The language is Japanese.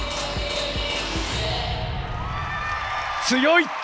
強い！